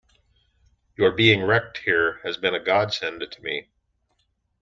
Your being wrecked here has been a godsend to me.